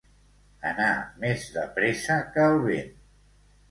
Anar més de pressa que el vent.